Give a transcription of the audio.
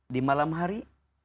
di malam hari